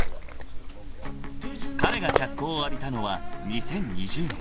［彼が脚光を浴びたのは２０２０年］